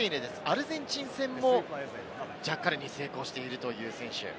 アルゼンチン戦もジャッカルに成功しているという選手。